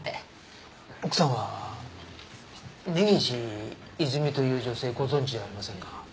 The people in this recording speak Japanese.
奥さんは根岸いずみという女性をご存じじゃありませんか？